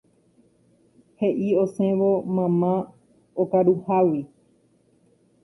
He'i osẽvo mamá okaruhágui.